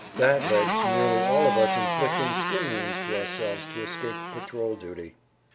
That led to nearly all of us inflicting skin wounds to ourselves to escape patrol duty.